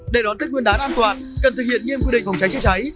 để đón tết nguyên đán an toàn cần thực hiện nghiêm quy định phòng cháy chữa cháy